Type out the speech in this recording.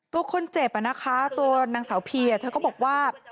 ตัวคนเจ็บอะนะคะนางสาวพีมีสิ่งของเธอเธอก็บอกว่า